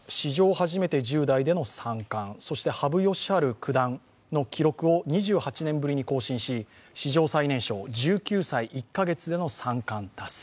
初めて１０代での三冠そして羽生善治九段の記録を２８年ぶりに更新し、史上最年少１９歳１カ月での三冠達成。